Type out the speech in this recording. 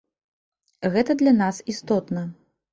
Гэта для нас істотна.